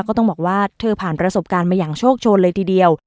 ก็ต้องบอกว่าเธอผ่านประสบการณ์มาอย่างโชคโชนเลยทีเดียว